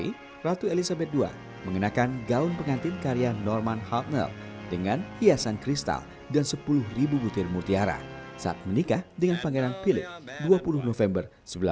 di ratu elizabeth ii mengenakan gaun pengantin karya norman hartnel dengan hiasan kristal dan sepuluh butir mutiara saat menikah dengan pangeran philip dua puluh november seribu sembilan ratus empat puluh